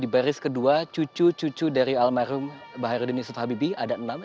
baris kedua cucu cucu dari almarhum b j habibi ada enam